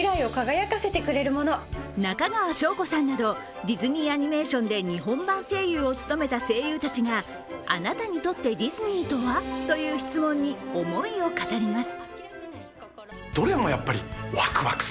中川翔子さんなどディズニーアニメーションで日本版声優を務めた声優たちが、あなたにとってディズニーとは？という質問に思いを語ります。